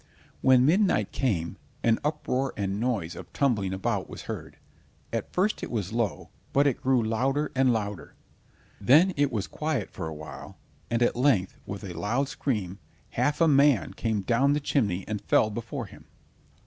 When midnight came, an uproar and noise of tumbling about was heard; at first it was low, but it grew louder and louder. Then it was quiet for a while, and at length with a loud scream, half a man came down the chimney and fell before him.